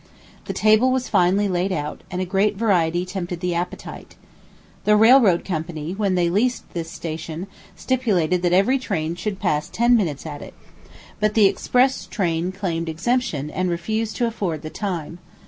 The table was finely laid out, and a great variety tempted the appetite. The railroad company, when they leased this station, stipulated that every train should pass ten minutes at it. But the express train claimed exemption, and refused to afford the time.